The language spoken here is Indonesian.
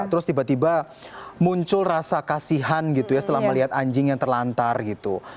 terus tiba tiba muncul rasa kasihan gitu ya setelah melihat anjing yang terlantar gitu